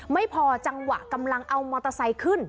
ไม่พอจังหวะกำลังเอามอเตอร์ไซค์ขึ้น